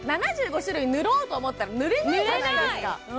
７５種類塗ろうと思ったら塗れないじゃないですか塗れない